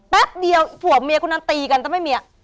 แป๊บเดียวผัวเมียคุณนั้นตีกันแต่ไม่มีอ่ะ